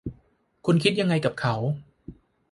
คุณคิดยังไงกับเขา